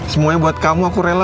semuanya buat kamu aku rela